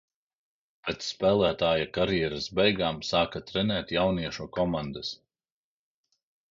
Pēc spēlētāja karjeras beigām sāka trenēt jauniešu komandas.